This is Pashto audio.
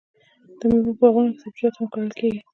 د میوو په باغونو کې سبزیجات هم کرل کیږي.